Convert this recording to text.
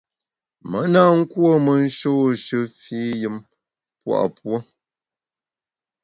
Me na nkuôme nshôshe fii yùm pua’ puo.